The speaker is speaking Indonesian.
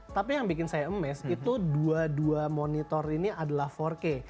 tapi yang bikin saya emes itu dua dua monitor ini adalah empat k